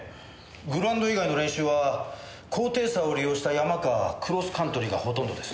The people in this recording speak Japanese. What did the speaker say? グラウンド以外の練習は高低差を利用した山かクロスカントリーがほとんどです。